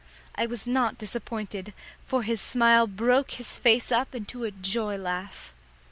I was not disappointed, for his smile broke his face up into a joy laugh.